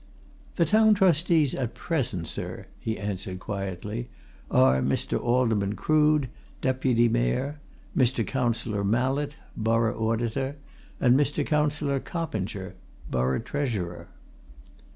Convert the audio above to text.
"The Town Trustees at present, sir," he answered quietly, "are Mr. Alderman Crood, Deputy Mayor; Mr. Councillor Mallett, Borough Auditor; and Mr. Councillor Coppinger, Borough Treasurer."